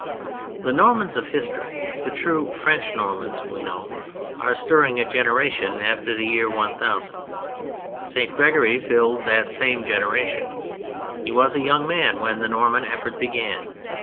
The Normans of history, the true French Normans we know, are stirring a generation after the year 1000. St. Gregory filled that same generation. He was a young man when the Norman effort began.